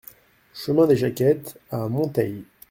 Chemin des Jaquettes à Monteils